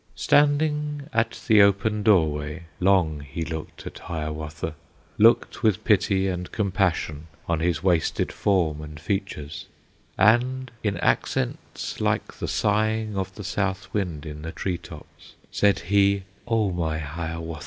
Standing at the open doorway, Long he looked at Hiawatha, Looked with pity and compassion On his wasted form and features, And, in accents like the sighing Of the South Wind in the tree tops, Said he, "O my Hiawatha!